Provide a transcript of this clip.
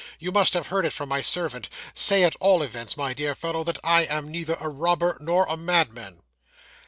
You must have heard it from my servant; say, at all events, my dear fellow, that I am neither a robber nor a madman.